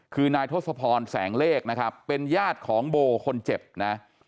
คือนายทศพรแสงเลขนะครับเป็นญาติของโบคนเจ็บนะ